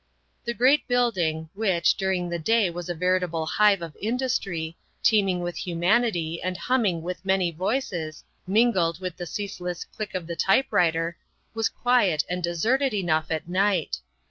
The great building, which during the day was a veri table hive of industry, teeming with humanity and humming with many voices, mingled with the ceaseless click of the typewriter, was quiet and deserted enough at night.